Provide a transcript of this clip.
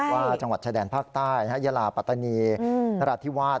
จังหวัดชายแดนภาคใต้ยาลาปัตตานีนราธิวาส